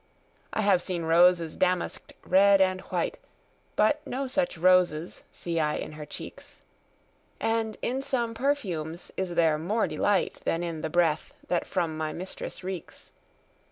I have seen roses damask'd, red and white, But no such roses see I in her cheeks; And in some perfumes is there more delight Than in the breath that from my mistress reeks.